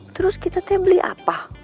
terus kita teh beli apa